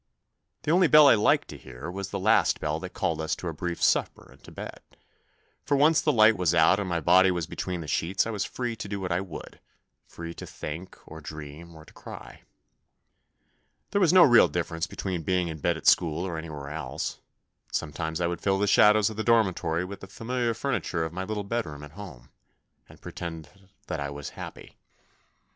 The only bell I liked to hear was the last bell that called us to our brief supper and to bed, for once the light was out and my body was between the sheets I was free to do what I would, free to think or to dream or to cry. There was no real differ ence between being in bed at school or anywhere else ; and sometimes I would fill the shadows of the dormitory with the familiar furniture of my little bedroom at home, and pretend that I was happy.